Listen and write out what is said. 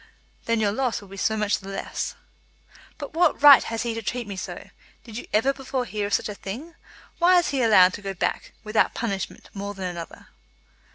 "Then your loss will be so much the less." "But what right has he to treat me so? Did you ever before hear of such a thing? Why is he to be allowed to go back, without punishment, more than another?"